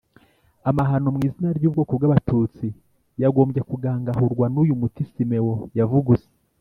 amahano mu izina ry'ubwoko bw'abatutsi, yagombye kugangahurwa n'uyu muti Simeon yavuguse.